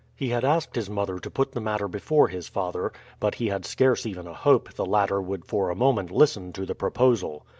He had asked his mother to put the matter before his father, but he had scarce even a hope the latter would for a moment listen to the proposal.